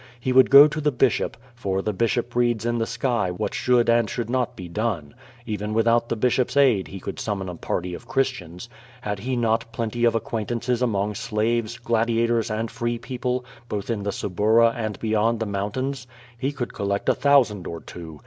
He would go to the bishop, for the bishop reads in the sky what should and should not be done. Even without the bishop's aid he could summon a party of Christians. Had he not plenty of acquaintances among slaves, gladiators and free people, botli in the Suburra and beyond the mountains? He could collect a thousand or two.